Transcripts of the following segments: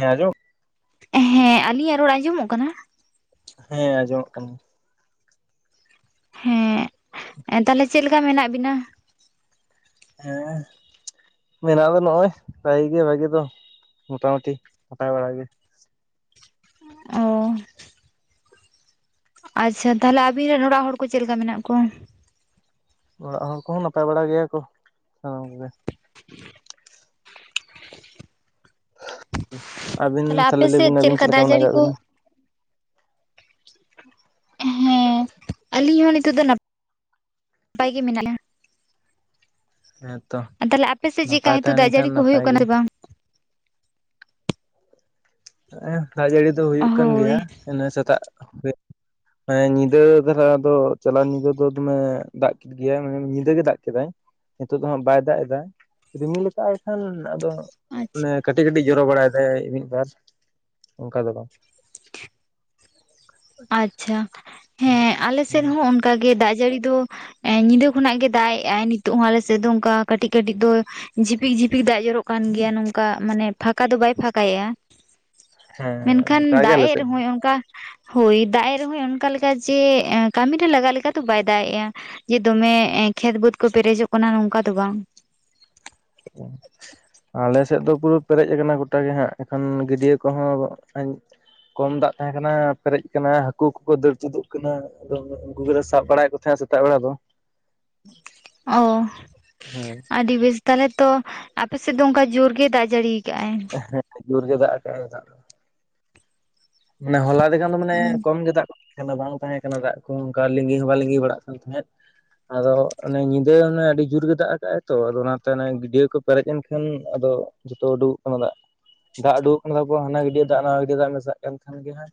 ᱦᱮᱸᱡᱳ ᱦᱮᱸ ᱟᱞᱤᱧᱟᱜ ᱨᱚᱲ ᱟᱸᱡᱚᱢᱚᱜ ᱠᱟᱱᱟ ᱦᱮᱸ ᱟᱸᱡᱚᱢᱚᱜ ᱠᱟᱹᱱᱟᱹ ᱦᱮᱸ ᱛᱟᱦᱚᱞᱮ ᱪᱮᱫ ᱞᱮᱠᱟ ᱢᱮᱱᱟᱜ ᱵᱤᱱᱟ ᱦᱮᱸ ᱢᱮᱱᱟᱜ ᱫᱚ ᱱᱚᱜ-ᱚᱭ ᱵᱷᱟᱭᱤ ᱜᱮ ᱵᱷᱟᱜᱤ ᱫᱚ ᱢᱚᱴᱟᱢᱩᱴᱤ ᱦᱟᱛᱟᱭ ᱵᱟᱲᱟᱜ ᱜᱮ ᱚ ᱟᱪᱪᱷᱟ ᱛᱟᱦᱚᱞᱮ ᱟᱵᱤᱱ ᱨᱮᱱ ᱚᱲᱟᱜ ᱦᱚᱲ ᱠᱚ ᱪᱮᱫ ᱞᱮᱠᱟ ᱢᱮᱱᱟᱜ ᱠᱚᱣᱟ ᱚᱲᱟᱜ ᱦᱚᱲ ᱠᱚᱦᱚᱸ ᱱᱟᱯᱟᱭ ᱵᱟᱲᱟ ᱜᱮᱭᱟ ᱠᱚ ᱥᱟᱱᱟᱢ ᱠᱚᱜᱮ [inaudible] ᱟᱹᱵᱤᱱ ᱟᱯᱮ ᱛᱟᱦᱚᱞᱮ ᱞᱟᱹᱭ ᱥᱮᱫ ᱵᱤᱱ ᱟᱹᱵᱤᱱ ᱪᱮᱫ ᱞᱮᱠᱟ ᱫᱟᱜ ᱢᱮᱱᱟᱜ ᱡᱟᱹᱲᱤ ᱟᱠᱟᱫ ᱠᱚ ᱵᱤᱱᱟ ᱦᱮᱸ ᱟᱞᱤᱧ ᱦᱚᱸ ᱱᱤᱛᱚᱜ ᱫᱚ ᱱᱟᱯᱟᱭ ᱜᱮ ᱢᱮᱱᱟᱜ-ᱟ ᱦᱮᱸᱛᱚ ᱛᱟᱞᱦᱮ ᱟᱯᱮ ᱥᱮᱫ ᱪᱮᱫᱞᱮᱠᱟ ᱱᱟᱯᱟᱭ ᱦᱳ ᱛᱟᱦᱮᱸ ᱫᱟᱜ ᱞᱮᱱᱠᱷᱟᱱ ᱡᱟᱹᱲᱤ ᱠᱚ ᱦᱩᱭᱩᱜ ᱱᱟᱯᱟᱭ ᱠᱟᱱᱟ ᱜᱮ ᱥᱮ ᱵᱟᱝ ᱦ ᱫᱟᱜ ᱡᱟᱹᱲᱤ ᱫᱚ ᱦᱩᱭᱩᱜ ᱠᱟᱱ ᱦᱳᱭ ᱜᱮᱭᱟ ᱤᱱᱟᱹ ᱥᱮᱛᱟᱜ ᱨᱮ ᱦᱮᱸ ᱧᱤᱫᱟᱹ ᱫᱷᱟᱨᱟ ᱫᱚ ᱪᱟᱞᱟᱣ ᱧᱤᱫᱟᱹ ᱫᱚ ᱫᱚᱢᱮ ᱫᱟᱜ ᱜᱮᱭᱟᱭ ᱢᱟᱱᱮ ᱧᱤᱫᱟᱹ ᱜᱮ ᱫᱟᱜ ᱠᱮᱫᱟᱭ ᱱᱤᱛᱚᱜ ᱫᱚ ᱦᱜ ᱵᱟᱭ ᱫᱟᱜ ᱮᱫᱟ ᱨᱤᱢᱤᱞ ᱟᱠᱟᱭ-ᱟ ᱦ ᱟᱫᱚ ᱟᱪᱪᱷᱟ ᱮ ᱠᱟᱹᱴᱤᱡ ᱠᱟᱹᱴᱤᱡ ᱡᱚᱨᱚ ᱵᱟᱲᱟᱭ ᱫᱟᱭ ᱢᱤᱫ ᱵᱟᱨ ᱚᱱᱠᱟ ᱫᱚ ᱵᱟᱝ ᱟᱪᱪᱷᱟ ᱦᱮᱸ ᱦᱮᱸ ᱟᱞᱮᱥᱮᱫ ᱦᱚᱸ ᱚᱱᱠᱟᱜᱮ ᱫᱟᱜ ᱡᱟᱹᱲᱤ ᱫᱚ ᱧᱤᱫᱟᱹ ᱠᱷᱚᱱᱟᱜ ᱜᱮ ᱫᱟᱜ ᱮ ᱟᱭ ᱱᱤᱛᱚᱜ ᱦᱚᱸ ᱟᱞᱮ ᱥᱮᱫ ᱫᱚ ᱝᱠᱟ ᱠᱟᱹᱴᱤᱡ ᱠᱟᱹᱴᱤᱡ ᱫᱚ ᱡᱷᱤᱯᱤᱠ ᱡᱷᱤᱯᱤᱠ ᱫᱟᱜ ᱡᱚᱨᱚᱜ ᱠᱟᱱ ᱜᱮᱭᱟ ᱱᱚᱝᱠᱟ ᱢᱟᱱᱮ ᱯᱷᱟᱸᱠᱟ ᱫᱚ ᱵᱟᱭ ᱯᱷᱟᱸᱠᱟᱭᱮᱫ-ᱟ ᱦᱮᱸ ᱢᱮᱱᱠᱷᱟᱱ ᱚᱱᱠᱟ ᱜᱮ ᱫᱟᱜ ᱟᱞᱮ ᱮᱜ ᱥᱮᱫ ᱨᱮᱦᱚᱸᱭ ᱚᱱᱠᱟ ᱦᱳᱭ ᱫᱟᱜ ᱮᱫ ᱨᱮᱦᱚᱸ ᱚᱱᱠᱟ ᱞᱮᱠᱟ ᱡᱮ ᱠᱟᱹᱢᱤ ᱨᱮ ᱞᱟᱜᱟᱜ ᱞᱮᱠᱟ ᱫᱚ ᱵᱟᱭ ᱫᱟᱜ ᱮᱫᱟ ᱡᱮ ᱫᱚᱢᱮ ᱠᱷᱮᱛ ᱵᱟᱹᱫ ᱠᱚ ᱯᱮᱨᱮᱡᱚᱜ ᱠᱟᱱᱟ ᱱᱚᱝᱠᱟ ᱫᱚ ᱵᱟᱝ ᱚ ᱟᱞᱮ ᱥᱮᱫ ᱫᱚ ᱯᱩᱨᱟᱹ ᱯᱮᱨᱮᱡ ᱟᱠᱟᱱᱟ ᱜᱚᱴᱟ ᱜᱮ ᱦᱟᱸᱜ ᱮᱠᱷᱚᱱ ᱜᱟᱹᱰᱭᱟᱹ ᱠᱚᱦᱚᱸ ᱠᱚᱢ ᱫᱟᱜ ᱛᱟᱦᱮᱸ ᱠᱟᱱᱟ ᱯᱮᱨᱮᱡ ᱟᱠᱟᱱᱟ ᱦᱟᱹᱠᱩ ᱠᱚᱠᱚ ᱫᱟᱹᱲ ᱪᱩᱫᱚᱜ ᱠᱟᱱᱟ ᱟᱫᱚ ᱩᱱᱠᱩᱜᱮᱞᱮ ᱥᱟᱵ ᱵᱟᱲᱟᱭᱮᱫ ᱠᱚ ᱛᱟᱦᱮᱸᱱᱟ ᱥᱮᱛᱟᱜ ᱵᱮᱲᱟ ᱫᱚ ᱚ ᱦᱮᱸ ᱟᱹᱰᱤ ᱵᱮᱥ ᱛᱟᱞᱮ ᱛᱚ ᱟᱯᱮᱥᱮᱫ ᱫᱚ ᱚᱱᱠᱟ ᱡᱳᱨ ᱜᱮᱭ ᱫᱟᱜ ᱡᱟᱹᱲᱤᱭᱟ ᱟᱠᱟᱫᱟᱭ ᱦᱮᱸ ᱡᱳᱨ ᱜᱮ ᱫᱟᱜ ᱟᱠᱟᱫᱟᱜ ᱢᱟᱱᱮ ᱦᱚᱞᱟ ᱫᱮ ᱠᱷᱟᱱ ᱫᱚ ᱢᱟᱱᱮ ᱠᱚᱢ ᱜᱮ ᱫᱟᱜ ᱜᱚᱫ ᱵᱟᱝ ᱛᱟᱦᱮᱸ ᱠᱟᱱᱟ ᱫᱟᱜ ᱠᱚ ᱾ ᱚᱱᱠᱟ ᱞᱤᱸᱜᱤ ᱦᱚᱸ ᱵᱟᱝ ᱞᱤᱜᱤ ᱵᱟᱲᱟᱜ ᱠᱟᱱ ᱛᱟᱦᱮᱸᱫ ᱾ ᱟᱫᱚ ᱚᱱᱮ ᱧᱤᱫᱟᱹ ᱚᱱᱮ ᱟᱹᱰᱤ ᱡᱳᱨ ᱜᱮ ᱫᱟᱜ ᱟᱠᱟᱫ ᱟᱭ ᱛᱚ ᱾ ᱟᱫᱚ ᱚᱱᱟᱛᱮ ᱜᱟᱹᱰᱭᱟᱹ ᱠᱚ ᱯᱮᱨᱮᱡ ᱮᱱ ᱠᱷᱟᱱ ᱟᱫᱚ ᱡᱚᱛᱚ ᱩᱰᱩᱠᱚᱜ ᱠᱟᱱᱟ ᱫᱟᱜ ᱾ ᱫᱟᱜ ᱩᱰᱩᱠ ᱠᱟᱱ ᱛᱟᱠᱚᱣᱟ ᱦᱟᱱᱟ ᱜᱟᱹᱰ ᱫᱟᱜ ᱱᱟᱣᱟ ᱜᱟᱹᱰᱭᱟᱹ ᱫᱟᱜ ᱨᱮ ᱢᱮᱥᱟᱜ ᱠᱟᱱ ᱠᱷᱟᱱ ᱜᱮ ᱦᱟᱸᱜ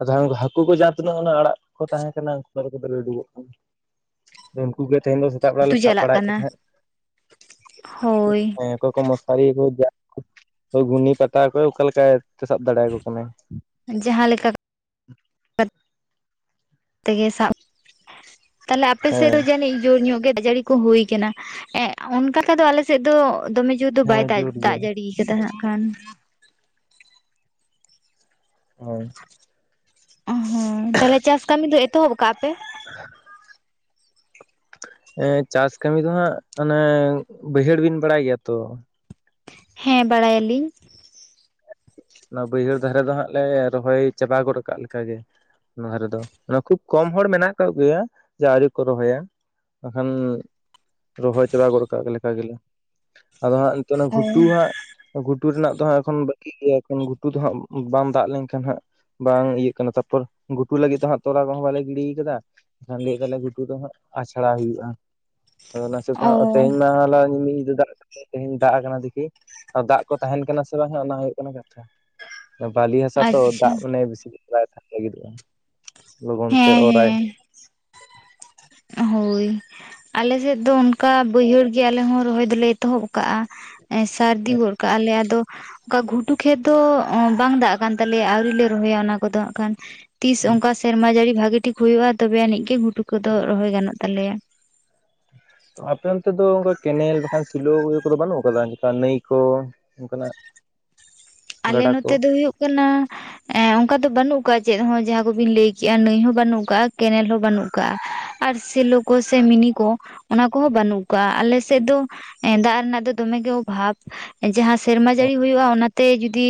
ᱟᱫᱚ ᱩᱱᱠᱩ ᱦᱟᱹᱠᱩ ᱠᱚ ᱡᱟᱦᱟᱸ ᱛᱤᱱᱟᱹᱜ ᱚᱱᱟ ᱟᱲᱟᱜ ᱠᱚ ᱛᱟᱦᱮᱸ ᱠᱟᱱᱟ ᱾ ᱩᱱᱠᱩ ᱠᱚ ᱫᱟᱹᱲ ᱩᱰᱩᱠᱚᱜ ᱠᱟᱱᱟ ᱾ ᱩᱱᱠᱩ ᱜᱮ ᱛᱮᱦᱮᱧ ᱫᱚ ᱥᱮᱛᱟᱜ ᱵᱮᱲᱟ ᱞᱮ ᱟᱹᱛᱩ ᱥᱟᱵ ᱪᱟᱞᱟᱜ ᱵᱟᱲᱟᱭᱮᱫ ᱠᱚ ᱠᱟᱱᱟ ᱛᱟᱦᱮᱸᱫ ᱦᱳᱭ ᱾ ᱚᱠᱚᱭ ᱠᱚ ᱢᱚᱥᱟᱨᱤ ᱠᱚ ᱡᱟᱞ ᱜᱷᱩᱱᱤ ᱯᱟᱴᱟ ᱚᱠᱚᱭ ᱚᱠᱟ ᱞᱮᱠᱟᱭ ᱥᱟᱵ ᱫᱟᱲᱮᱭᱟᱠᱚ ᱠᱟᱱᱟᱭ ᱾ ᱡᱟᱦᱟᱸ ᱞᱮᱠᱟ ᱠᱟᱛᱮ ᱜᱮ ᱥᱟᱵ ᱛᱟᱦᱞᱮ ᱟᱯᱮᱥᱮᱫ ᱦᱮᱸ ᱡᱟᱹᱱᱤᱡ ᱡᱩᱨ ᱧᱚᱜ ᱜᱮ ᱡᱟᱹᱲᱤ ᱠᱚ ᱦᱩᱭ ᱟᱠᱟᱱᱟ ᱾ ᱚᱱᱠᱟ ᱛᱮᱫᱚ ᱟᱞᱮᱥᱮᱫ ᱫᱚ ᱫᱚᱢᱮ ᱡᱳᱨ ᱫᱚ ᱦᱮᱸ ᱵᱟᱭ ᱫᱟᱜ ᱡᱳᱨ ᱫᱟᱜ ᱜᱮ ᱡᱟᱹᱲᱤ ᱟᱠᱟᱫᱟ ᱦᱟᱜ ᱠᱷᱟᱱ ᱦᱚᱭ ᱚ ᱦᱚᱸ ᱛᱟᱦᱚᱞᱮ ᱪᱟᱥ ᱠᱟᱹᱢᱤ ᱫᱚ ᱮᱛᱚᱦᱚᱵ ᱠᱟᱜ-ᱟ ᱯᱮ [unintelligible] ᱦᱮᱸ ᱪᱟᱥ ᱠᱟᱹᱢᱤ ᱫᱚ ᱦᱟᱸᱜ ᱚᱱᱮ ᱵᱟᱹᱭᱦᱟᱹᱲ ᱵᱤᱱ ᱵᱟᱲᱟᱭ ᱜᱮᱭᱟ ᱛᱚ? ᱦᱮᱸ ᱵᱟᱰᱟᱭᱟᱞᱤᱧ ᱾ ᱚᱱᱟ ᱵᱟᱹᱭᱦᱟᱹᱲ ᱫᱷᱟᱨᱮ ᱫᱚ ᱦᱟᱸᱜ ᱞᱮ ᱨᱚᱦᱚᱭ ᱪᱟᱵᱟ ᱜᱚᱫ ᱟᱠᱟᱜ ᱞᱮᱠᱟᱜᱮ ᱾ ᱚᱱᱟ ᱫᱷᱟᱨᱮ ᱫᱚ ᱾ ᱟᱫᱚ ᱠᱷᱩᱵ ᱠᱚᱢ ᱦᱚᱲ ᱢᱮᱱᱟᱜ ᱟᱠᱟᱫ ᱠᱚᱜᱮᱭᱟ ᱡᱮ ᱟᱹᱣᱨᱤ ᱠᱚ ᱨᱚᱦᱚᱭᱟ ᱾ ᱵᱟᱠᱷᱟᱱ ᱨᱚᱦᱚᱭ ᱪᱟᱵᱟ ᱜᱚᱫ ᱟᱠᱟᱜ ᱞᱮᱠᱟ ᱜᱮᱞᱮ ᱾ ᱟᱫᱚ ᱦᱟᱸᱜ ᱱᱤᱛᱚᱜ ᱚᱱᱟ ᱜᱷᱩᱴᱩ ᱦᱟᱸᱜ ᱜᱷᱩᱴᱩ ᱨᱮᱱᱟᱜ ᱫᱚ ᱦᱟᱸᱜ ᱮᱠᱷᱚᱱ ᱵᱟᱹᱠᱤ ᱜᱮᱭᱟ ᱾ ᱜᱷᱩᱴᱩ ᱫᱚ ᱦᱟᱸᱜ ᱵᱟᱝ ᱫᱟᱜ ᱞᱮᱱᱠᱷᱟᱱ ᱦᱟᱸᱜ ᱾ ᱵᱟᱝ ᱤᱭᱟᱹᱜ ᱠᱟᱱᱟᱜ ᱛᱟᱯᱚᱨ ᱜᱷᱩᱴᱩ ᱞᱟᱹᱜᱤᱫ ᱛᱚ ᱦᱟᱸᱜ ᱛᱚᱞᱟ ᱠᱚᱦᱚᱸ ᱵᱟᱞᱮ ᱜᱤᱰᱤ ᱟᱠᱟᱫᱟ ᱾ ᱮᱱᱠᱷᱟᱱ ᱞᱟᱹᱭ ᱮᱟᱫᱟᱞᱮ ᱜᱷᱩᱴᱩ ᱫᱚ ᱦᱟᱜ ᱟᱪᱷᱲᱟ ᱦᱩᱭᱩᱜᱼᱟ ᱾ ᱚᱱᱟ ᱚ ᱥᱮᱛᱟᱜ ᱛᱮᱦᱮᱧ ᱢᱟ ᱦᱚᱞᱟ ᱢᱤᱫ ᱧᱤᱫᱟᱹ ᱫᱟᱜ ᱮ ᱛᱮᱦᱮᱧ ᱫᱟᱜ ᱟᱠᱟᱱᱟ ᱾ ᱫᱟᱜ ᱠᱚ ᱛᱟᱦᱮᱱ ᱠᱟᱱᱟ ᱥᱮ ᱵᱟᱝ ᱚᱱᱟ ᱦᱩᱭᱩᱜ ᱠᱟᱱᱟ ᱠᱟᱛᱷᱟ ᱾ ᱟᱪᱪᱷᱟ ᱵᱟᱞᱤ ᱦᱟᱥᱟ ᱛᱚ ᱟᱪᱪᱷᱟ ᱫᱟᱜ ᱢᱟᱱᱮ ᱵᱮᱥᱤ ᱞᱟᱜᱤᱫᱚᱜᱼᱟ ᱞᱚᱜᱚᱱ ᱛᱮ ᱦᱮᱸ ᱚᱨᱟᱭ ᱦᱳᱭ ᱟᱞᱮ ᱥᱮᱫ ᱫᱚ ᱚᱱᱠᱟ ᱵᱟᱹᱭᱦᱟᱹᱲ ᱜᱮ ᱟᱞᱮ ᱦᱚᱸ ᱨᱚᱦᱚᱭ ᱫᱚᱞᱮ ᱮᱛᱚᱦᱚᱵ ᱟᱠᱟᱜᱼᱟ ᱾ ᱥᱟᱹᱨᱫᱤ ᱦᱮᱸ᱾ ᱜᱚᱫ ᱟᱠᱟᱫ ᱟᱞᱮ ᱟᱫᱚ ᱚᱱᱠᱟ ᱜᱷᱩᱴᱩ ᱠᱷᱮᱛ ᱫᱚ ᱵᱟᱝ ᱫᱟᱜ ᱟᱠᱟᱱ ᱛᱟᱞᱮᱭᱟ ᱾ ᱟᱹᱣᱨᱤ ᱞᱮ ᱨᱚᱦᱚᱭᱟ ᱚᱱᱟ ᱠᱚᱫᱚ ᱦᱟᱸᱜ ᱠᱷᱟᱱ ᱛᱤᱥ ᱚᱱᱠᱟ ᱥᱮᱨᱢᱟ ᱡᱟᱹᱲᱤ ᱵᱷᱟᱜᱤ ᱴᱷᱤᱠ ᱦᱩᱭᱩᱜᱼᱟ ᱾ ᱛᱚᱵᱮ ᱟᱹᱱᱤᱡ ᱜᱮ ᱜᱷᱩᱴᱩ ᱠᱚᱫᱚ ᱨᱚᱦᱚᱭ ᱜᱟᱱᱚᱜ ᱛᱟᱞᱮᱭᱟ ᱾ ᱛᱚ ᱟᱯᱮ ᱚᱱᱛᱮ ᱫᱚ ᱚᱱᱠᱟ ᱠᱮᱱᱮᱞ ᱵᱟᱠᱷᱟᱱ ᱥᱮᱞᱳ ᱤᱭᱟᱹ ᱠᱚᱫᱚ ᱵᱟᱹᱱᱩᱜ ᱟᱠᱟᱫᱟ ᱚᱱᱠᱟ ᱱᱟᱹᱭ ᱠᱚ? ᱚᱱᱠᱟᱱᱟᱜ ᱟᱞᱮ ᱜᱟᱰᱟ ᱠᱚ ᱱᱚᱛᱮ ᱫᱚ ᱦᱩᱭᱩᱜ ᱠᱟᱱᱟ ᱾ ᱮᱜ ᱚᱱᱠᱟ ᱫᱚ ᱵᱟᱹᱱᱩᱜ ᱟᱠᱟᱫ-ᱟ ᱪᱮᱫ ᱦᱚᱸ ᱡᱟᱦᱟᱸ ᱠᱚᱵᱤᱱ ᱞᱟᱹᱭ ᱠᱮᱜᱼᱟ ᱱᱟᱹᱭ ᱦᱚᱸ ᱵᱟᱹᱱᱩᱜ ᱟᱠᱟᱜᱼᱟ ᱠᱮᱱᱮᱞ ᱦᱚᱸ ᱵᱟᱹᱱᱩᱜ ᱟᱠᱟᱜᱼᱟ ᱾ ᱟᱨ ᱥᱮᱞᱚ ᱠᱚ ᱥᱮ ᱢᱤᱱᱤ ᱠᱚ ᱚᱱᱟ ᱠᱚᱦᱚᱸ ᱵᱟᱹᱱᱩᱜ ᱟᱠᱟᱜᱼᱟ ᱾ ᱟᱞᱮ ᱥᱮᱫ ᱫᱚ ᱫᱟᱜ ᱨᱮᱱᱟᱜ ᱫᱚ ᱫᱚᱢᱮᱜᱮ ᱚᱵᱷᱟᱵ ᱾ ᱡᱟᱦᱟᱸ ᱥᱮᱨᱢᱟ ᱡᱟᱹᱲᱤ ᱦᱩᱭᱩᱜᱼᱟ ᱾ ᱚᱱᱟᱛᱮ ᱡᱩᱫᱤ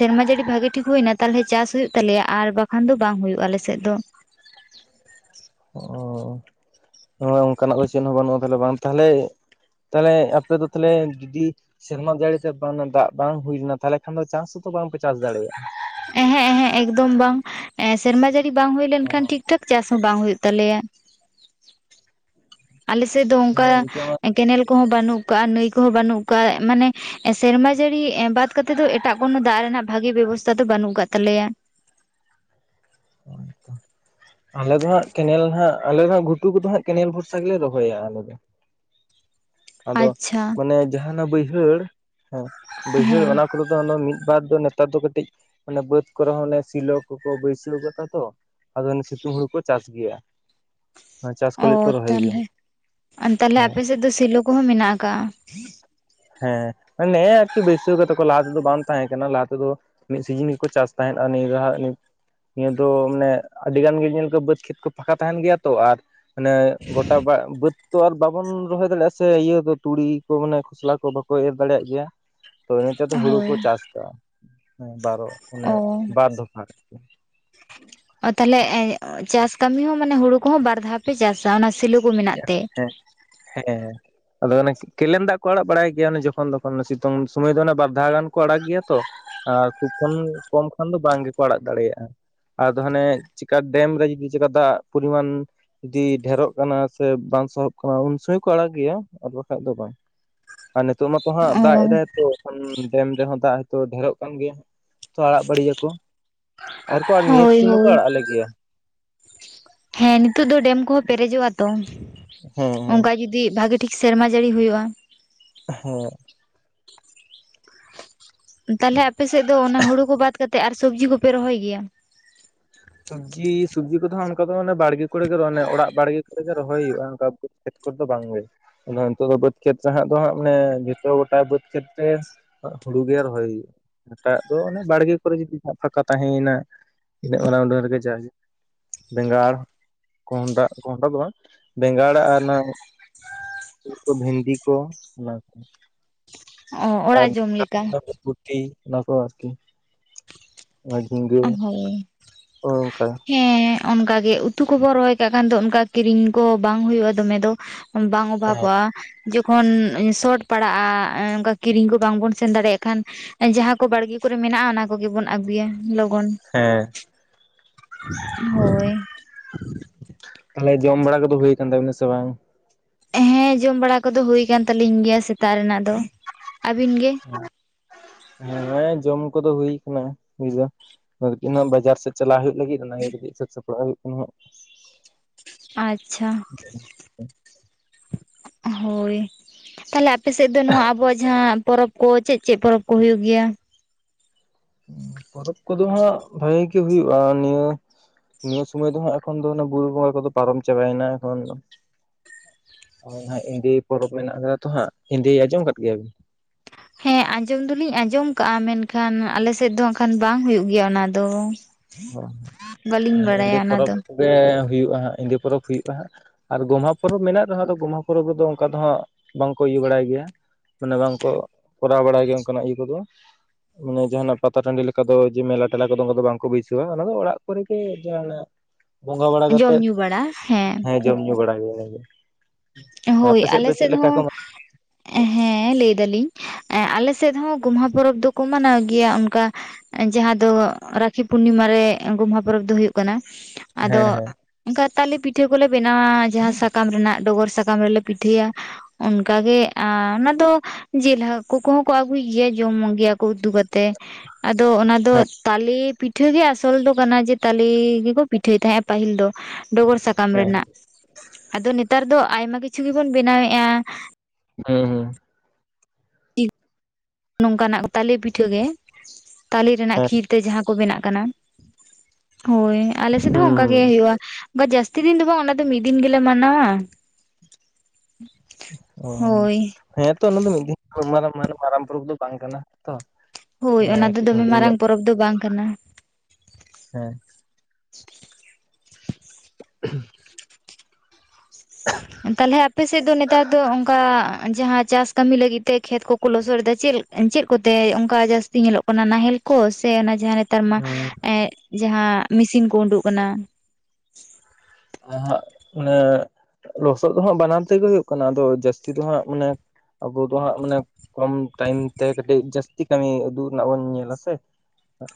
ᱥᱮᱨᱢᱟ ᱡᱟᱹᱲᱤ ᱵᱷᱟᱹᱜᱤ ᱴᱷᱤᱠ ᱦᱩᱭᱱᱟ ᱛᱟᱦᱞᱮ ᱪᱟᱥ ᱦᱩᱭᱩᱜ ᱛᱟᱞᱮᱭᱟ ᱟᱨ ᱵᱟᱠᱷᱟᱱ ᱫᱚ ᱵᱟᱝ ᱦᱩᱭᱩᱜᱼᱟ ᱟᱞᱮ ᱥᱮᱫ ᱫᱚ ᱾ ᱚ ᱚᱱᱮ ᱚᱱᱠᱟᱱᱟᱜ ᱫᱚ ᱪᱮᱫ ᱦᱚᱸ ᱵᱟᱹᱱᱩᱜᱼᱟ ᱛᱟᱦᱚᱞᱮ ᱾ ᱵᱟᱝ ᱛᱟᱦᱚᱞᱮ ᱛᱟᱦᱚᱞᱮ ᱟᱯᱮ ᱫᱚ ᱛᱟᱦᱚᱞᱮ ᱡᱩᱫᱤ ᱥᱮᱨᱢᱟ ᱡᱟᱹᱲᱤ ᱛᱮ ᱵᱟᱝ ᱫᱟᱜ ᱵᱟᱝ ᱦᱩᱭ ᱞᱮᱱᱟ ᱾ ᱛᱟᱦᱚᱞᱮ ᱠᱷᱟᱱ ᱫᱚ ᱪᱟᱥ ᱵᱟᱝᱯᱮ ᱪᱟᱥ ᱫᱟ ᱦᱮᱸ ᱦᱮᱸ ᱮᱠᱫᱚᱢ ᱵᱟᱝ ᱾ ᱥᱮᱨᱢᱟ ᱡᱟᱹᱲᱤ ᱵᱟᱝ ᱦᱩᱭ ᱚ ᱞᱮᱱᱠᱷᱟᱱ ᱴᱷᱤᱠ ᱴᱷᱤᱠ ᱴᱷᱟᱠ ᱪᱟᱥ ᱦᱚᱸ ᱵᱟᱝ ᱦᱩᱭᱩᱜ ᱛᱟᱞᱮᱭᱟ ᱾ ᱟᱞᱮ ᱥᱮᱫ ᱫᱚ ᱚᱱᱠᱟ ᱦᱮᱸ ᱤᱱᱠᱟᱹ ᱢᱟ ᱠᱮᱱᱮᱞ ᱠᱚᱦᱚᱸ ᱵᱟᱹᱱᱩᱜ ᱟᱠᱟᱫᱟ, ᱱᱟᱹᱭ ᱠᱚᱦᱚᱸ ᱵᱟᱹᱱᱩᱜ ᱟᱠᱟᱫᱟ, ᱢᱟᱱᱮ ᱥᱮᱨᱢᱟ ᱡᱟᱹᱲᱤ ᱵᱟᱫ ᱠᱟᱛᱮᱜ ᱫᱚ ᱮᱴᱟᱜ ᱠᱳᱱᱳ ᱫᱟᱜ ᱨᱮᱱᱟᱜ ᱵᱷᱟᱜᱤ ᱵᱮᱵᱚᱥᱛᱷᱟ ᱫᱚ ᱵᱟᱹᱱᱩᱜ ᱟᱠᱟᱫ ᱛᱟᱞᱮᱭᱟ ᱾ [unintelligible] ᱟᱞᱮ ᱫᱚ ᱦᱟᱸᱜ ᱠᱮᱱᱮᱞ ᱦᱟᱸᱜ ᱟᱞᱮ ᱫᱚᱜ ᱜᱷᱩᱴᱩ ᱠᱚᱫᱚ ᱦᱟᱸᱜ ᱠᱮᱱᱮᱞ ᱵᱷᱚᱨᱥᱟ ᱜᱮᱞᱮ ᱨᱚᱦᱚᱭᱟ ᱟᱞᱮ ᱫᱚ ᱾ [unintelligible] ᱟᱫᱚ ᱢᱟᱱᱮ ᱡᱟᱦᱟᱸ ᱚᱱᱟ ᱵᱟᱹᱭᱦᱟᱹᱲ ᱦᱮᱸ ᱵᱟᱹᱭᱦᱟᱹᱲ ᱦᱮᱸ ᱚᱱᱟ ᱠᱚᱨᱮ ᱫᱚ ᱢᱤᱫ ᱵᱟᱨ ᱫᱚ ᱱᱮᱛᱟᱨ ᱫᱚ ᱠᱟᱹᱴᱤᱡ ᱢᱟᱱᱮ ᱵᱟᱹᱫᱽ ᱠᱚᱨᱮ ᱦᱚᱸ ᱮ ᱥᱤᱞᱳ ᱠᱚᱠᱚ ᱵᱟᱹᱭᱥᱟᱹᱣ ᱟᱠᱟᱫᱟ ᱛᱚ ᱟᱫᱚ ᱚᱱᱟ ᱥᱤᱛᱩᱝ ᱦᱩᱲᱩ ᱠᱚ ᱪᱟᱥ ᱜᱮᱭᱟ᱾ ᱪᱟᱥ ᱠᱚ ᱚ ᱞᱟᱹᱜᱤᱫ ᱠᱚ ᱨᱚᱦᱚᱭ ᱜᱮᱭᱟ ᱛᱟᱦᱞᱮ ᱛᱟᱦᱞᱮ ᱦᱮᱸ ᱟᱯᱮ ᱥᱮᱫ ᱫᱚ ᱥᱮᱞᱳ ᱠᱚᱦᱚᱸ ᱢᱮᱱᱟᱜ ᱟᱠᱟᱜ ᱦᱮᱸ ᱱᱮ ᱟᱨᱠᱤ ᱵᱟᱹᱭᱮᱥᱤ ᱛᱟᱠᱚ ᱞᱟᱦᱟ ᱛᱮᱫᱚ ᱵᱟᱝ ᱛᱟᱦᱮᱸ ᱠᱟᱱᱟ ᱞᱟᱦᱟ ᱛᱮᱫᱚ ᱢᱤᱫ ᱥᱤᱡᱤᱱ ᱜᱮᱠᱚ ᱪᱟᱥ ᱛᱟᱦᱮᱸᱫ ᱟᱨ ᱱᱤᱭᱟᱹ ᱫᱷᱟ ᱱᱤ ᱼᱼ ᱱᱤᱭᱟᱹ ᱫᱚ ᱢᱟᱱᱮ ᱟᱹᱰᱤ ᱜᱟᱱ ᱜᱮ ᱧᱮᱞ ᱠᱚ ᱵᱟᱹᱫᱽ ᱠᱷᱮᱛ ᱠᱚ ᱯᱷᱟᱸᱠᱟ ᱛᱟᱦᱮᱱ ᱜᱮᱭᱟ ᱛᱚ ᱟᱨ ᱢᱟᱱᱮ ᱜᱚᱴᱟ ᱵᱟ ᱵᱟᱹᱫ ᱛᱚ ᱟᱨ ᱵᱟᱵᱚᱱ ᱨᱚᱦᱚᱭ ᱫᱟᱲᱮᱭᱟᱜᱼᱟ ᱥᱮ ᱤᱭᱟᱹ ᱫᱚ ᱛᱩᱲᱤ ᱠᱚ ᱢᱟᱱᱮ ᱠᱷᱚᱥᱞᱟ ᱠᱚ ᱠᱚ ᱵᱟᱠᱚ ᱮᱨ ᱫᱟᱲᱮᱭᱟᱜ ᱜᱮᱭᱟ ᱛᱚ ᱮᱛᱟᱨ ᱫᱚ ᱦᱩᱲᱩ ᱠᱚ ᱦᱳᱭ ᱪᱟᱥ ᱠᱫᱟᱼᱟ ᱵᱟᱨᱚ ᱢᱟᱱᱮ ᱚ ᱵᱟᱨᱫᱚᱯᱷᱟ ᱨᱮ ᱛᱟᱦᱞᱮ ᱪᱟᱥ ᱠᱟᱹᱢᱤ ᱦᱚᱸ ᱢᱟᱱᱮ ᱦᱩᱲᱩ ᱠᱚᱦᱚᱸ ᱵᱟᱨ ᱫᱷᱟᱣ ᱯᱮ ᱪᱟᱥᱟ ᱚᱱᱟ ᱥᱤᱞᱳ ᱠᱚ ᱢᱮᱱᱟᱜ ᱛᱮ ᱦᱮᱸ ᱦᱮᱸ ᱟᱫᱚ ᱠᱮᱱᱟ ᱠᱮᱱᱮᱞ ᱫᱟᱜ ᱠᱚ ᱟᱲᱟᱜ ᱵᱟᱲᱟᱭ ᱜᱮᱭᱟ ᱾ ᱮ ᱡᱚᱠᱷᱚᱱ ᱛᱚᱠᱷᱚᱱ ᱥᱤᱛᱩᱝ ᱥᱚᱢᱚᱭ ᱫᱚ ᱚᱱᱮ ᱵᱟᱨ ᱫᱷᱟᱣ ᱜᱟᱱ ᱠᱚ ᱟᱲᱟᱜ ᱜᱮᱭᱟ ᱛᱚ ᱾ ᱟᱨ ᱛᱩᱯᱩᱱ ᱠᱷᱚᱱ ᱠᱚᱢ ᱠᱷᱟᱱ ᱫᱚ ᱵᱟᱝ ᱜᱮᱠᱚ ᱟᱲᱟᱜ ᱫᱟᱲᱮᱭᱟᱜᱼᱟ ᱾ ᱟᱫᱚ ᱦᱟᱱᱮ ᱪᱮᱠᱟ ᱰᱮᱢ ᱨᱮ ᱡᱩᱫᱤ ᱪᱮᱠᱟ ᱫᱟᱜ ᱯᱚᱨᱤᱢᱟᱱ ᱡᱩᱚᱫᱤ ᱰᱷᱮᱨᱚᱜ ᱠᱟᱱᱟ ᱥᱮ ᱵᱟᱝ ᱥᱚᱦᱚᱵ ᱠᱟᱱᱟ ᱩᱱ ᱥᱚᱢᱚᱭ ᱠᱚ ᱟᱲᱟᱜ ᱜᱮᱭᱟ ᱟᱨ ᱵᱟᱠᱷᱟᱡ ᱫᱚ ᱵᱟᱝ ᱟᱨ ᱱᱤᱛᱚᱜ ᱢᱟᱛᱚ ᱦᱟᱸᱜ ᱚ ᱫᱟᱜ ᱮᱫᱟᱭᱛᱚ ᱮᱚᱱ ᱰᱮᱢ ᱨᱮᱦᱚᱸ ᱫᱟᱜ ᱦᱤᱛᱚ ᱰᱷᱮᱨᱚᱜ ᱠᱟᱱ ᱜᱮᱭᱟ ᱛᱚ ᱟᱲᱟᱜ ᱵᱟᱟᱹᱲᱤᱭᱟᱠᱚ ᱟᱨᱠᱚ ᱱᱤᱭᱟᱹ ᱦᱳᱭ ᱥᱤᱡᱤᱱ ᱦᱚᱸᱠᱚ ᱦᱳᱭ ᱟᱲᱟᱜ ᱟᱞᱮᱜᱮᱭᱟ ᱦᱮᱸ ᱱᱤᱛᱚᱜ ᱫᱚ ᱰᱮᱢ ᱠᱚᱦᱚᱸ ᱯᱮᱨᱮᱡᱚᱜᱼᱟ ᱛᱚ ᱦᱩᱸ ᱦᱩᱸ ᱚᱱᱠᱟ ᱡᱩᱫᱤ ᱵᱷᱟᱜᱮ ᱴᱷᱤᱠ ᱥᱮᱨᱢᱟ ᱡᱟᱹᱲᱤ ᱦᱩᱭᱩᱜᱼᱟ ᱦᱮᱸ ᱛᱟᱦᱚᱞᱮ ᱟᱯᱮᱥᱮᱫ ᱫᱚ ᱚᱱᱟ ᱦᱩᱲᱩ ᱠᱚ ᱵᱟᱫ ᱠᱟᱛᱮᱜ ᱟᱨ ᱥᱚᱵᱡᱤ ᱠᱚᱯᱮ ᱨᱚᱦᱚᱭ ᱜᱮᱭᱟ ᱥᱚᱵᱽᱡᱤ ᱥᱚᱵᱽᱡᱤ ᱠᱚᱫᱚ ᱦᱟᱸᱜ ᱚᱱᱠᱟ ᱫᱚ ᱢᱟᱱᱮ ᱵᱟᱲᱜᱮ ᱠᱚᱨᱮ ᱜᱮ ᱨᱚᱱᱮ ᱚᱲᱟᱜ ᱵᱟᱲᱮ ᱠᱚᱨᱮᱜᱮ ᱨᱚᱦᱚᱭ ᱦᱩᱭᱩᱜᱼᱟ ᱚᱱᱠᱟ ᱠᱷᱮᱛ ᱠᱚᱨᱮ ᱫᱚ ᱵᱟᱝ ᱜᱮ ᱚᱱᱟ ᱱᱤᱛᱚᱜ ᱫᱚ ᱵᱟᱹᱫᱽ ᱠᱷᱮᱛᱨᱮ ᱦᱟᱸᱜ ᱫᱚ ᱦᱟᱸᱜ ᱢᱟᱱᱮ ᱡᱚᱛᱚ ᱜᱚᱴᱟ ᱵᱟᱹᱫᱽ ᱠᱷᱮᱛᱨᱮ ᱦᱩᱲᱩ ᱜᱮ ᱨᱚᱦᱚᱭ ᱦᱩᱭᱩᱜᱼᱟ ᱮᱴᱟᱜ ᱫᱚ ᱚᱱᱮ ᱵᱟᱲᱜᱮ ᱠᱚᱨᱮ ᱡᱩᱫᱤ ᱦᱟᱸᱟᱜ ᱯᱷᱟᱸᱠᱟ ᱛᱟᱦᱮᱸᱭᱮᱱᱟ ᱚᱱᱟ ᱩᱰᱟᱝ ᱨᱮᱜᱮ ᱡᱟ ᱦᱩᱭᱮᱱ ᱵᱮᱸᱜᱟᱲᱸ ᱠᱚᱸᱰᱟ ᱠᱚᱸᱦᱰᱟ ᱫᱚ ᱵᱟᱝ ᱵᱮᱸᱜᱟᱲ ᱟᱨ ᱚᱱᱟ ᱠᱚ ᱵᱷᱮᱱᱰᱤ ᱠᱚ ᱚᱱᱟ ᱠᱚ ᱚ ᱟᱨ ᱚᱲᱟᱜ ᱡᱚᱢ ᱞᱮᱠᱟ [unintelligible] ᱜᱩᱴᱤ ᱚᱱᱟ ᱠᱚ ᱟᱨᱠᱤ ᱟᱨ ᱡᱷᱤᱸᱜᱟᱹ ᱦᱳᱭ ᱚᱱᱠᱟ ᱦᱮᱸ ᱚᱱᱠᱟ ᱜᱮ ᱩᱛᱩ ᱠᱚᱵᱚᱱ ᱨᱚᱦᱚᱭ ᱠᱟᱜ ᱠᱷᱟᱱ ᱫᱚ ᱚᱱᱠᱟ ᱠᱤᱨᱤᱧ ᱠᱚ ᱵᱟᱝ ᱦᱩᱭᱩᱜᱼᱟ ᱫᱚᱢᱮ ᱫᱚ ᱵᱟᱝ ᱦᱮᱸ ᱚᱵᱷᱟᱵᱚᱜᱼᱟ ᱡᱚᱠᱷᱚᱱ ᱥᱚᱴ ᱯᱟᱲᱟᱜᱼᱟ ᱚᱱᱠᱟ ᱠᱤᱨᱤᱧ ᱠᱚ ᱵᱟᱝᱵᱚᱱ ᱥᱮᱱ ᱫᱟᱲᱮᱭᱟᱜ ᱠᱷᱟᱱ ᱡᱟᱦᱟᱸ ᱠᱚ ᱵᱟᱲᱜᱮ ᱠᱚᱨᱮ ᱢᱮᱱᱟᱜᱼᱟ ᱚᱱᱟ ᱠᱚᱜᱮᱵᱚᱱ ᱟᱹᱜᱩᱭᱟ ᱞᱚᱜᱚᱱ ᱦᱮᱸ ᱦᱳᱭ ᱛᱟᱦᱚᱞᱮ ᱡᱚᱢ ᱵᱟᱲᱟ ᱠᱚᱫᱚ ᱦᱩᱭ ᱠᱟᱱ ᱛᱟᱵᱤᱱᱟ ᱥᱮ ᱵᱟᱝ ᱦᱮᱸ ᱡᱚᱢ ᱵᱟᱲᱟ ᱠᱚᱫᱚ ᱦᱩᱭ ᱟᱠᱟᱱ ᱛᱟᱹᱟᱞᱤᱧ ᱜᱮᱭᱟ ᱥᱮᱛᱟᱜ ᱨᱮᱱᱟᱜ ᱫᱚ ᱟᱹᱵᱤᱱ ᱜᱮ [inaudible] ᱦᱮᱸ ᱡᱚᱢ ᱠᱚᱫᱚ ᱦᱩᱭ ᱠᱟᱱᱟ ᱦᱩᱭᱫᱚ [unintelligible] ᱠᱤᱜ ᱵᱟᱡᱟᱨ ᱥᱮᱫ ᱪᱟᱞᱟᱜ ᱦᱩᱭᱩᱜ ᱞᱟᱹᱜᱤᱫ ᱚᱱᱟᱭ ᱨᱮᱜ ᱥᱡᱽ ᱥᱟᱯᱲᱟᱣ ᱦᱩᱭᱩᱜ ᱠᱟᱱᱟ ᱦᱟᱸᱜ ᱟᱪᱪᱷᱟ ᱦᱳᱭ ᱛᱟᱦᱞᱮ ᱟᱯᱮᱥᱮᱫ ᱫᱚ ᱱᱚᱣᱟ ᱟᱵᱩᱣᱟᱜ ᱡᱟᱦᱟᱸ ᱯᱚᱨᱚᱵᱽ ᱠᱚ ᱪᱮᱫ ᱪᱮᱫ ᱯᱚᱨᱚᱵᱽ ᱠᱚ ᱦᱩᱭᱩᱜ ᱜᱮᱭᱟ ᱯᱚᱨᱚᱵᱽ ᱠᱚᱫᱚ ᱦᱟᱸᱜ ᱵᱷᱟᱜᱤ ᱦᱩᱭᱩᱜ-ᱟ ᱱᱤᱭᱟᱹ ᱱᱤᱭᱟᱹ ᱥᱳᱚᱢᱚᱭ ᱫᱚ ᱦᱟᱸᱜ ᱮᱠᱷᱚᱱ ᱫᱚ ᱵᱩᱨᱩ ᱵᱚᱸᱜᱟ ᱠᱚᱫᱚ ᱯᱟᱨᱚᱢ ᱪᱟᱵᱟᱭᱮᱱᱟ ᱮᱠᱷᱚᱱ ᱫᱚ ᱦᱳᱭ ᱱᱟᱦᱟᱸᱜ ᱮᱸᱫᱮ ᱯᱚᱨᱚᱵᱽ ᱢᱮᱱᱟᱜ ᱠᱟᱫᱟ ᱛᱚ ᱦᱟᱸᱜ ᱮᱸᱫᱮ ᱟᱸᱚᱢᱫ ᱜᱮᱭᱟ ᱵᱤᱱ ᱦᱮᱸ ᱟᱸᱡᱚᱢ ᱫᱚᱞᱤᱧ ᱟᱸᱡᱚᱢ ᱠᱟᱜᱼᱟ ᱢᱮᱱᱠᱷᱟᱱ ᱟᱞᱮ ᱥᱮᱫ ᱫᱚ ᱦᱟᱸᱠᱦᱟᱠᱷᱟᱱ ᱵᱟᱝ ᱦᱩᱭᱩᱜ ᱜᱮᱭᱟ ᱚᱱᱟ ᱫᱚ ᱵᱟᱹᱞᱤᱧ ᱵᱟᱲᱟᱭᱟ ᱚᱱᱟ ᱫᱚ ᱨᱮ ᱦᱩᱭᱩᱜᱼᱟ ᱦᱟᱸᱜ ᱮᱸᱫᱮ ᱯᱚᱨᱚᱵᱽ ᱦᱩᱭᱩᱜᱼᱟ ᱦᱟᱸᱜ ᱟᱨ ᱜᱚᱢᱦᱟ ᱯᱚᱨᱚᱵᱽ ᱢᱮᱱᱟᱜ ᱨᱮᱦᱚᱸ ᱟᱫᱚ ᱜᱚᱢᱦᱟ ᱯᱚᱨᱚᱵᱽ ᱨᱮᱫᱚ ᱚᱱᱠᱟ ᱫᱚ ᱦᱟᱸᱜ ᱵᱟᱝᱠᱚ ᱤᱭᱟᱹ ᱵᱟᱲᱟᱭ ᱜᱮᱭᱟ ᱢᱟᱱᱮ ᱵᱟᱝᱠᱚ ᱠᱚᱨᱟᱣ ᱵᱟᱲᱟᱭ ᱜᱮᱭᱟ ᱚᱱᱠᱟᱱᱟᱜ ᱤᱭᱟᱹ ᱠᱚᱫᱚ ᱢᱟᱱᱮ ᱡᱟᱦᱟᱱᱟᱜ ᱯᱟᱛᱟ ᱴᱟᱺᱰᱤ ᱞᱮᱠᱟ ᱫᱚ ᱡᱮ ᱢᱮᱞᱟ ᱴᱮᱞᱟ ᱠᱚᱫᱚ ᱫᱚᱝ ᱫᱚ ᱵᱟᱝᱠᱚ ᱵᱟᱹᱭᱥᱟᱹ ᱚᱱᱟ ᱫᱚ ᱚᱲᱟᱜ ᱠᱚᱨᱮ ᱜᱮ ᱡᱟᱦᱟᱱᱟᱜ ᱵᱚᱸᱜᱟ ᱵᱟᱲᱟ ᱠᱟᱛᱮ ᱡᱚᱢ ᱧᱩ ᱵᱟᱲᱟ ᱦᱮᱸ ᱡᱚᱢ ᱧᱩ ᱵᱟᱲᱟ ᱜᱮ ᱚᱱᱟᱫᱚ ᱦᱳᱭ ᱟᱞᱮ ᱥᱮᱫ ᱦᱚᱸ ᱦᱮᱸ ᱞᱟᱹᱭ ᱫᱟᱞᱤᱧ ᱟᱞᱮ ᱥᱮᱫ ᱦᱚᱸ ᱜᱳᱢᱦᱟ ᱯᱚᱨᱚᱵᱽ ᱫᱚᱠᱚ ᱢᱟᱱᱟᱣ ᱜᱮᱭᱟ ᱚᱱᱠᱟ ᱡᱟᱦᱟᱸ ᱫᱚ ᱨᱟᱠᱷᱤ ᱯᱩᱨᱱᱤᱢᱟᱨᱮ ᱜᱳᱢᱦᱟ ᱯᱚᱨᱚᱵᱽ ᱫᱚ ᱦᱩᱭᱩᱜ ᱠᱟᱱᱟ ᱟᱫᱚ ᱦᱮᱸ ᱦᱮᱸ ᱚᱱᱠᱟ ᱛᱟᱞᱮ ᱯᱤᱴᱷᱟᱹ ᱠᱚᱞᱮ ᱵᱮᱱᱟᱣᱟ ᱡᱟᱦᱟᱸ ᱥᱟᱠᱟᱢ ᱨᱮᱱᱟᱜ ᱰᱚᱜᱚᱨ ᱥᱟᱠᱟᱢ ᱨᱮᱞᱮ ᱯᱤᱴᱷᱟᱹᱭᱟ ᱚᱱᱠᱟ ᱜᱮ ᱟ ᱚᱱᱟ ᱫᱚ ᱡᱤᱞ ᱦᱟᱹᱠᱩ ᱠᱚᱦᱚᱸ ᱠᱚ ᱟᱹᱜᱩᱭ ᱜᱮᱭᱟ ᱡᱚᱢ ᱜᱮᱭᱟ ᱠᱚ ᱩᱛᱩ ᱠᱟᱛᱮ ᱛᱮ ᱟᱫᱚ ᱚᱱᱟ ᱫᱚ ᱦᱮᱸ ᱛᱟᱞᱮ ᱯᱤᱴ ᱯᱤᱴᱷᱟᱹ ᱜᱮ ᱟᱥᱚᱞ ᱫᱚ ᱠᱟᱱᱟ ᱡᱮ ᱛᱟᱞᱮ ᱜᱮᱠᱚ ᱯᱤᱴᱷᱟᱹᱭ ᱛᱟᱦᱮᱸᱦ-ᱟ ᱯᱟᱹᱦᱤᱞ ᱫᱚ ᱰᱚᱜᱚᱨ ᱥᱟᱠᱟᱢ ᱦᱮᱸ ᱨᱮᱱᱟᱜ ᱟᱫᱚ ᱱᱮᱛᱟᱨ ᱫᱚ ᱟᱭᱢᱟ ᱠᱤᱪᱷᱩ ᱜᱮᱵᱚᱱ ᱵᱮᱱᱟᱣᱮᱫ-ᱟ ᱦᱳᱭ ᱦᱳᱭ ᱱᱚᱝᱠᱟᱱᱟᱜ ᱛᱟᱞᱮ ᱯᱤᱴᱷᱟᱹ ᱜᱮ ᱛᱟᱞᱮ ᱨᱮᱱᱟᱜ ᱦᱮᱸ ᱠᱷᱤᱨ ᱛᱮ ᱡᱟᱦᱟᱸ ᱠᱚ ᱵᱮᱱᱟᱜ ᱠᱟᱱᱟ ᱦᱳᱭ ᱟᱞᱮᱥᱮᱫ ᱦᱩᱸ ᱦᱚᱸ ᱚᱱᱠᱟ ᱜᱮ ᱦᱳᱭᱳᱜ-ᱟ ᱚᱱᱠᱟ ᱡᱟᱹᱥᱛᱤ ᱫᱤᱱ ᱫᱚ ᱵᱟᱝ ᱚᱱᱟ ᱫᱚ ᱢᱤᱫ ᱫᱤᱱ ᱜᱮᱞᱮ ᱢᱟᱱᱟᱣᱟ ᱚ ᱦᱳᱭ ᱦᱮᱸᱛᱚ ᱚᱱᱟ ᱫᱚ ᱢᱤᱫ ᱫᱤᱱ ᱢᱟᱨᱟᱝ ᱯᱚᱨᱚᱵ ᱫᱚ ᱵᱟᱝ ᱠᱟᱱᱟ ᱛᱚ ᱦᱳᱭ ᱚᱱᱟ ᱦᱮᱸ ᱫᱚ ᱠᱟᱹᱡ ᱫᱚᱢᱮ ᱦᱩᱰᱤᱧ ᱢᱟᱨᱟᱝ ᱧᱚᱜ ᱯᱚᱨᱚᱵᱽ ᱫᱚ ᱵᱟᱝ ᱠᱟᱱᱟ ᱦᱮᱸ [unintelligible] ᱦᱮᱸ [unintelligible] ᱛᱟᱦᱚᱞᱮ ᱟᱯᱮᱥᱮᱫ ᱫᱚ ᱱᱮᱛᱟᱨ ᱫᱚ ᱚᱱᱠᱟ ᱡᱟᱦᱟᱸ ᱪᱟᱥ ᱠᱟᱹᱢᱤ ᱞᱟᱹᱜᱤᱫ ᱛᱮ ᱠᱷᱮᱛ ᱠᱚᱠᱚ ᱞᱚᱥᱚᱫ ᱫᱟ ᱪᱮᱫ ᱪᱮᱫ ᱠᱚᱛᱮ ᱚᱱᱠᱟ ᱡᱟᱹᱥᱛᱤ ᱧᱮᱞᱚᱜ ᱠᱟᱱᱟ ᱱᱟᱦᱮᱞ ᱠᱚ ᱥᱮ ᱚᱱᱟ ᱡᱟᱦᱟᱸ ᱱᱮᱛᱟᱨ ᱢᱟ ᱦᱩᱸ ᱮ ᱡᱟᱦᱟᱸ ᱢᱮᱥᱤᱱ ᱠᱚ ᱩᱰᱩᱜ ᱠᱟᱱᱟ ᱱᱟᱦᱟᱜ ᱢᱟᱱᱮ ᱞᱚᱥᱚᱫ ᱫᱚ ᱦᱟᱸᱜ ᱵᱟᱱᱟᱨ ᱛᱮᱜᱮ ᱦᱩᱭᱩᱜ ᱠᱟᱱᱟ ᱟᱫᱚ ᱡᱟᱹᱥᱛᱤ ᱫᱚ ᱦᱟᱸᱜ ᱢᱟᱱᱮ ᱟᱵᱚ ᱫᱚ ᱦᱟᱸᱜ ᱢᱟᱱᱮ ᱠᱚᱢ ᱴᱟᱭᱤᱢ ᱛᱮ ᱠᱟᱹᱴᱤᱡ ᱡᱟᱹᱥᱛᱤ ᱠᱟᱹᱢᱤ ᱩᱫᱩᱜ ᱨᱮᱱᱟᱜ ᱵᱚᱱ ᱧᱮᱞᱟᱥᱮ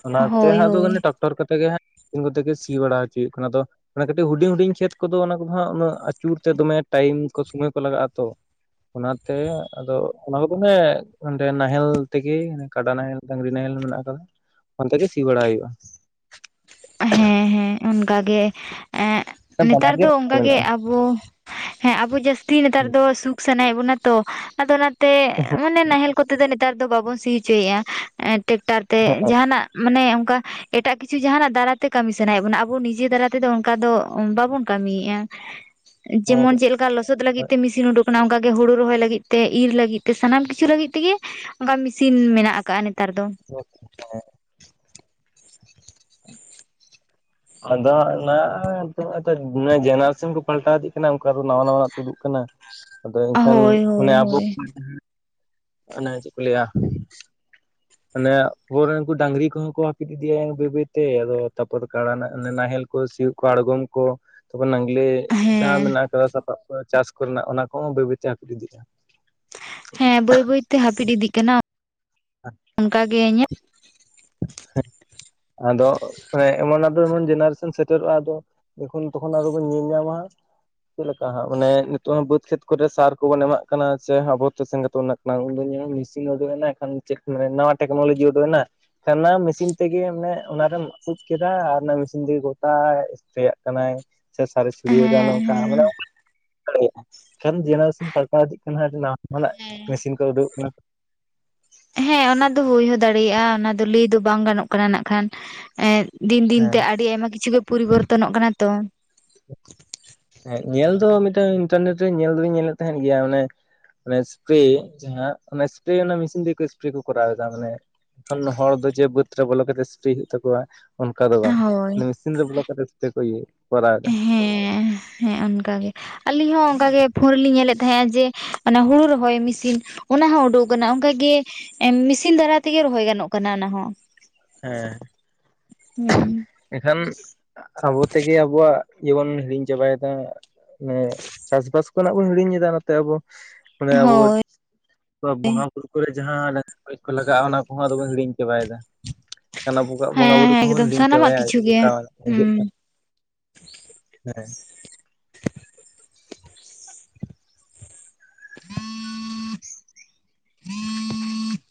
ᱚᱱᱟᱛᱮ ᱦᱳᱭ ᱦᱟᱜ ᱟᱫᱚ ᱦᱳᱭ ᱴᱟᱠᱴᱚᱨ ᱠᱚ ᱠᱟᱛᱮ ᱜᱮᱜ ᱤᱱ ᱠᱚᱛᱮ ᱜᱮ ᱥᱤ ᱵᱟᱲᱟ ᱦᱚᱪᱚᱭ ᱦᱩᱭᱩᱜ ᱠᱟᱱᱟ ᱟᱫᱚ ᱚᱱᱟ ᱦᱩᱰᱤᱧ ᱦᱩᱰᱤᱧ ᱠᱷᱮᱛ ᱠᱚᱫᱚ ᱚᱱᱟ ᱠᱚᱫᱚ ᱦᱟᱸᱜ ᱩᱱᱟᱹᱜ ᱟᱹᱪᱩᱨ ᱛᱮ ᱫᱚᱢᱮ ᱴᱟᱭᱤᱢ ᱠᱚ ᱥᱚᱢᱚᱭ ᱠᱚ ᱞᱟᱜᱟᱜ ᱟᱛᱚ ᱚᱱᱟᱛᱮ ᱟᱫᱚ ᱚᱱᱟ ᱠᱚᱫᱚ ᱚᱸᱰᱮ ᱱᱟᱦᱮᱞ ᱛᱮᱜᱮ ᱠᱟᱰᱟ ᱱᱟᱦᱮᱞ ᱰᱟᱹᱝᱨᱤ ᱱᱟᱦᱮᱞ ᱢᱮᱱᱟᱜ ᱟᱠᱟᱫᱟ ᱚᱱᱛᱮ ᱜᱮ ᱥᱤ ᱵᱟᱲᱟ ᱦᱩᱭᱩᱜ-ᱟ ᱦᱮᱸ ᱦᱮᱸ ᱚᱱᱠᱟᱜᱮ ᱮᱜ ᱱᱮᱛᱟᱨ ᱵᱟᱱᱟᱨ ᱜᱮ ᱫᱚ ᱚᱱᱠᱟᱜᱮ ᱢᱮᱱᱟᱜᱼᱟ ᱟᱵᱚ ᱦᱮᱸ ᱟᱵᱚ ᱡᱟᱹᱥᱛᱤ ᱱᱮᱛᱟᱨ ᱦᱮᱸ ᱫᱚ ᱥᱩᱠ ᱥᱟᱱᱟᱭᱮᱫ ᱵᱚᱱᱟ ᱛᱚ ᱟᱫᱚ ᱚᱱᱟ ᱛᱮ ᱢᱟᱱᱮ ᱱᱟᱦᱮᱞ ᱠᱚᱛᱮ ᱫᱚ ᱱᱮᱛᱟᱨ ᱫᱚ ᱵᱟᱵᱚᱱ ᱥᱤ ᱚᱪᱚᱭᱮᱫ-ᱟ ᱴᱮᱠᱴᱟᱨ ᱛᱮ ᱦᱮᱸ ᱡᱟᱦᱟᱱᱟᱜ ᱢᱟᱱᱮ ᱚᱱᱠᱟ ᱮᱴᱟᱜ ᱠᱤᱪᱷᱩ ᱡᱟᱦᱟᱸᱱᱟᱜ ᱫᱟᱨᱟᱭᱛᱮ ᱠᱟᱹᱢᱤ ᱥᱟᱱᱟᱭᱮᱫ ᱵᱚᱱᱟ ᱟᱵᱚ ᱱᱤᱡᱮ ᱫᱟᱨᱟᱭ ᱛᱮᱫᱚ ᱚᱱᱠᱟ ᱫᱚ ᱵᱟᱵᱚᱱ ᱠᱟᱹᱢᱤᱭᱮᱫ-ᱟ ᱡᱮᱢᱚᱱ ᱪᱮᱫ ᱚᱱᱠᱟ ᱞᱚᱥᱚᱫ ᱞᱟᱹᱜᱤᱫ ᱛᱮ ᱢᱮᱥᱤᱱ ᱩᱰᱩᱠ ᱠᱟᱱᱟ ᱚᱱᱠᱟ ᱜᱮ ᱦᱩᱲᱩ ᱨᱚᱦᱚᱭ ᱞᱟᱹᱜᱤᱫ ᱛᱮ ᱤᱨ ᱞᱟᱹᱜᱤᱫ ᱛᱮ ᱥᱟᱱᱟᱢ ᱠᱤᱪᱷᱩ ᱞᱟᱹᱜᱤᱫ ᱛᱮᱜᱮ ᱚᱱᱠᱟ ᱢᱮᱥᱤᱱ ᱢᱮᱱᱟᱜ ᱟᱠᱟᱜ ᱱᱮᱛᱟᱨ ᱫᱚ [unintelligible] ᱟᱫᱚ ᱚᱱᱟ ᱟᱫᱚ ᱡᱮᱱᱟᱨᱮᱥᱚᱱ ᱠᱚ ᱯᱟᱞᱴᱟᱣ ᱤᱫᱤᱜ ᱠᱟᱱᱟ ᱚᱱᱠᱟ ᱫᱚ ᱱᱟᱣᱟ ᱱᱟᱣᱟᱱᱟᱜ ᱛᱩᱫᱩᱜ ᱠᱟᱱᱟ ᱟᱫᱚ ᱮᱱᱠᱷᱟᱱ ᱦᱳᱭ ᱦᱳᱭ ᱚᱱᱮ ᱟᱵᱚ ᱦᱳᱭ ᱚᱱᱮ ᱪᱮᱫ ᱠᱚ ᱞᱟᱹᱭ-ᱟ᱾ ᱚᱱᱮ ᱯᱚᱨ ᱩᱱᱠᱩ ᱰᱟᱝᱨᱤ ᱠᱚᱦᱚᱸ ᱠᱚ ᱦᱟᱯᱤᱫ ᱤᱫᱮᱭᱟ ᱵᱟᱹᱭ ᱵᱟᱹᱭᱛᱮᱫᱚ ᱛᱟᱨᱯᱚᱨ ᱠᱟ ᱱᱟᱦᱮᱞ ᱠᱚ ᱥᱤᱭᱳᱜ ᱠᱚ ᱟᱬᱜᱚᱢ ᱠᱚ ᱛᱠᱷᱚᱱ ᱱᱟᱜᱽᱞᱮ ᱡᱟᱦᱟᱸ ᱦᱮᱸ ᱢᱮᱱᱟᱜ ᱟᱠᱟᱫᱟ ᱥᱟᱯᱟᱵ ᱠᱚ ᱪᱟᱥ ᱠᱚᱨᱮᱱᱟᱜ ᱚᱱᱟ ᱠᱚᱦᱚᱸ ᱵᱟᱹᱭ ᱵᱟᱹᱭᱛᱮ ᱦᱟᱯᱤᱫ ᱤᱫᱤᱜ-ᱟ ᱦᱮᱸ ᱵᱟᱹᱭ ᱵᱟᱹᱭᱛᱮ ᱦᱟᱹᱯᱤᱫ ᱤᱫᱤᱜ ᱠᱟᱱᱟ ᱚᱱᱠᱟᱜᱮ ᱤᱧᱟᱹᱜ ᱟᱫᱚ ᱮᱢᱚᱱ ᱟᱫᱚ ᱮᱢᱚᱱ ᱡᱮᱱᱟᱨᱮᱥᱚᱱ ᱥᱮᱴᱮᱨᱚᱜ-ᱟ ᱟᱫᱚ ᱮᱠᱷᱚᱱ ᱛᱚᱠᱷᱚᱱ ᱟᱨᱚ ᱵᱤᱱ ᱧᱮᱞ ᱧᱟᱢᱟ ᱦᱟᱜ ᱪᱮᱫ ᱞᱮᱠᱟ ᱦᱟᱸᱜ ᱢᱟᱱᱮ ᱱᱤᱛᱚᱜ ᱦᱚᱸ ᱵᱟᱹᱫᱽ ᱠᱷᱮᱛ ᱠᱚᱨᱮ ᱥᱟᱨ ᱠᱚᱵᱚᱱ ᱮᱢᱟᱜ ᱠᱟᱱᱟ ᱥᱮ ᱟᱵᱚ ᱛᱮ ᱥᱮᱱ ᱩᱱᱟᱹᱜ [unintelligible] ᱢᱮᱥᱤᱱ ᱩᱰᱚᱜ ᱮᱱᱟ ᱮᱠᱷᱚᱱ ᱪᱮᱠ ᱱᱟᱣᱟ ᱴᱮᱠᱱᱳᱞᱚᱡᱤ ᱩᱰᱩᱜ ᱮᱱᱟ ᱚᱱᱟ ᱢᱮᱥᱤᱱ ᱛᱮᱜᱮ ᱢᱟᱱᱮ ᱚᱱᱟᱨᱮᱢ ᱛᱩᱫ ᱠᱮᱫᱟ ᱟᱨ ᱚᱱᱟ ᱢᱮᱥᱤᱱ ᱛᱮᱜᱮ ᱜᱚᱴᱟ ᱨᱮᱭᱟᱜ ᱠᱟᱱᱟᱭ ᱥᱮ ᱥᱟᱨᱮ ᱪᱷᱩᱲᱭᱟᱹᱣ ᱫᱟ ᱦᱮᱸ ᱱᱚᱝᱠᱟ ᱦᱮᱸ ᱢᱟᱱᱮ ᱡᱮᱱᱟᱨᱮᱥᱚᱱ ᱯᱟᱞᱴᱟᱣ ᱤᱫᱤᱜ ᱠᱟᱱᱟ ᱩᱱᱟᱹᱜ ᱦᱮᱸ ᱢᱮᱥᱤᱱ ᱠᱚ ᱩᱰᱩᱠᱼᱚᱜ ᱠᱟᱱᱟ ᱦᱮᱸ ᱚᱱᱟ ᱫᱚ ᱦᱩᱭ ᱦᱚᱸ ᱫᱟᱲᱮᱭᱟᱜᱼᱟ ᱚᱱᱟ ᱫᱚ ᱞᱟᱹᱭ ᱫᱚ ᱵᱟᱝ ᱜᱟᱱᱚᱜ ᱠᱟᱱᱟ ᱱᱟᱜᱠᱷᱟᱱ ᱮᱸᱫ ᱫᱤᱱ ᱫᱤᱱ ᱦᱮᱸ ᱛᱮ ᱟᱹᱰᱤ ᱟᱭᱢᱟ ᱠᱤᱪᱷᱩ ᱜᱮ ᱯᱚᱨᱤᱵᱚᱨᱛᱚᱱᱼᱚᱜ ᱠᱟᱱᱟ ᱛᱚ᱾ ᱦᱮᱸ ᱧᱮᱞ ᱫᱚ ᱢᱤᱫᱴᱟᱝ ᱤᱱᱴᱟᱨᱱᱮᱴ ᱨᱮ ᱧᱮᱞ ᱫᱚᱞᱤᱧ ᱧᱮᱞᱮᱫ ᱛᱟᱦᱮᱸᱫ ᱜᱮᱭᱟ ᱢᱟᱱᱮ ᱡᱟᱥᱛᱤ ᱡᱟᱦᱟᱸ ᱢᱮᱥᱤᱱ ᱛᱮ ᱠᱚᱨᱟᱣ ᱮᱫᱟ ᱢᱟᱱᱮ ᱮᱠᱷᱚᱱ ᱦᱚᱲ ᱫᱚ ᱡᱮ ᱵᱟᱹᱫᱽ ᱨᱮ ᱵᱚᱞᱚ ᱠᱟᱛᱮ ᱥᱯᱨᱮ ᱦᱳᱭ ᱛᱟᱠᱚᱣᱟ ᱚᱱᱠᱟ ᱫᱚ ᱵᱟᱝ ᱦᱳᱭ ᱢᱮᱥᱤᱱ ᱨᱮ ᱵᱚᱞᱚ ᱠᱟᱛᱮ ᱥᱯᱨᱮ ᱠᱚ ᱤᱭᱟᱹ ᱠᱚᱨᱟᱣ ᱮᱫᱟ ᱦᱮᱸ ᱦᱮᱸ ᱚᱱᱠᱟᱜᱮ ᱟᱞᱤᱧ ᱦᱚᱸ ᱚᱱᱠᱟ ᱜᱮ ᱯᱷᱳᱱ ᱨᱮᱞᱤᱧ ᱧᱮᱞᱼᱮᱫ ᱛᱟᱦᱮᱸᱱᱟ ᱡᱮ ᱚᱱᱮ ᱦᱩᱲᱩ ᱨᱚᱦᱚᱭ ᱢᱮᱥᱤᱱ ᱚᱱᱟᱦᱚᱸ ᱩᱰᱩᱠ ᱟᱠᱟᱱᱟ ᱚᱱᱠᱟᱜᱮ ᱢᱮᱥᱤᱱ ᱫᱟᱨᱟᱭ ᱛᱮᱜᱮ ᱨᱚᱦᱚᱭ ᱜᱟᱱᱚᱜ ᱠᱟᱱᱟ ᱚᱱᱟᱦᱚᱸ ᱦᱮᱸ ᱮᱱᱠᱷᱟᱱ ᱟᱵᱚ ᱛᱮᱜᱮ ᱟᱵᱚᱣᱼᱟᱜ ᱤᱭᱟᱹᱵᱚᱱ ᱦᱤᱲᱤᱧ ᱪᱟᱵᱟᱭᱮᱫᱟ ᱢᱟᱱᱮ ᱪᱟᱥᱵᱟᱥ ᱠᱷᱚᱱᱼᱟᱜ ᱵᱚᱱ ᱦᱤᱲᱤᱧᱮᱫᱟ ᱱᱚᱛᱮ ᱟᱵᱚ ᱢᱟᱱᱮ ᱟᱵᱚ ᱦᱳᱭ ᱵᱚᱸᱜᱟ ᱵᱩᱨᱩ ᱠᱚᱨᱮ ᱡᱟᱦᱟᱸ ᱞᱟᱹᱠᱛᱤ ᱟᱹᱱᱤᱡ ᱠᱚ ᱞᱟᱜᱟᱜᱼᱟ ᱚᱱᱟ ᱠᱚᱦᱚᱸ ᱟᱫᱚ ᱵᱚᱱ ᱦᱤᱲᱤᱧ ᱪᱟᱵᱟᱭᱮᱫᱟ ᱚᱱᱟ ᱵᱚᱸᱜᱟᱜ ᱵᱚᱸᱜᱟ ᱦᱮᱸ ᱵᱩᱨᱩ ᱦᱮᱸ ᱠᱚᱦᱚᱸ ᱮᱠᱫᱚᱢ ᱵᱚᱱ ᱦᱤᱲᱧ ᱥᱟᱱᱟᱢᱟᱜ ᱲᱟᱵᱟᱭᱟ ᱠᱤᱪᱷᱩ ᱜᱮ ᱚᱱᱠᱟ ᱦᱩᱸ ᱵᱩᱡᱷᱟᱹᱜ ᱠᱟᱱᱟ ᱦᱮᱸ [unintelligible] [inaudible]